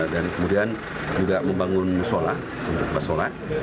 dan kemudian juga membangun sholat